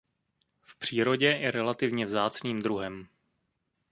V přírodě je relativně vzácným druhem.